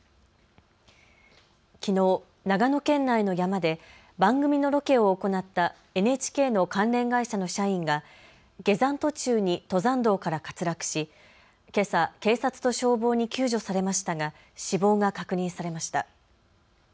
きのう長野県内の山で番組のロケを行ったＮＨＫの関連会社の社員が下山途中に登山道から滑落しけさ警察と消防に救助されましたが死亡が確認されました。